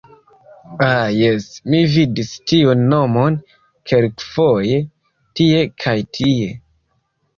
Ha jes, mi vidis tiun nomon kelkfoje tie kaj tie.